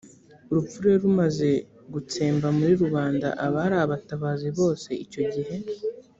urupfu rero rumaze gutsemba muri rubanda abari abatabazi bose icyo gihe